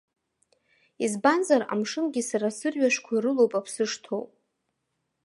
Избанзар, амшынгьы сара сырҩашқәа рылоуп аԥсы шҭоу.